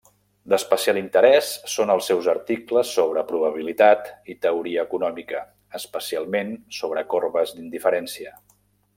D'especial interès són els seus articles sobre probabilitat i teoria econòmica, especialment, sobre corbes d'indiferència.